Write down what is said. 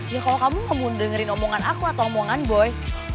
ya kalau kamu gak mau dengerin omongan aku atau omongan boy